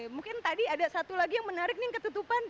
mungkin tadi ada satu lagi yang menarik nih yang ketutupan